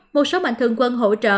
một số mạnh thương quân hỗ trợ